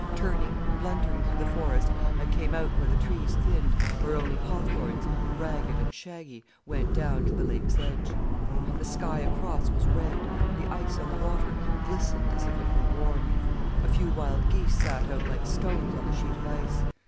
Turning, blundering through the forest, I came out where the trees thinned, where only hawthorns, ragged and shaggy, went down to the lake's edge. "The sky across was red, the ice on the water glistened as if it were warm. A few wild geese sat out like stones on the sheet of ice.